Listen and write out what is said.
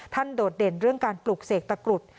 โดดเด่นเรื่องการปลูกเสกตะกรุด